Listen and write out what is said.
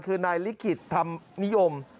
คือนายลิขิตธรรมนิยม